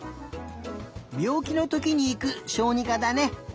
びょうきのときにいくしょうにかだね。